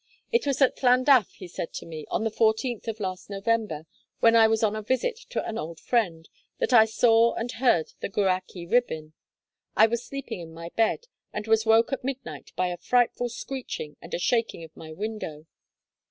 'It was at Llandaff,' he said to me, 'on the fourteenth of last November, when I was on a visit to an old friend, that I saw and heard the Gwrach y Rhibyn. I was sleeping in my bed, and was woke at midnight by a frightful screeching and a shaking of my window.